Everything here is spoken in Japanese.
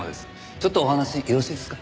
ちょっとお話よろしいですか？